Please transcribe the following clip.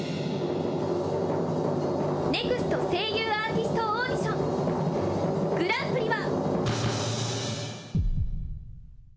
ＮＥＸＴ声優アーティストオーディショングランプリは。